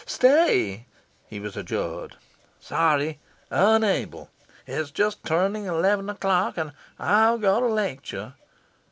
"Stay!" he was adjured. "Sorry, unable. It's just turning eleven o'clock, and I've a lecture.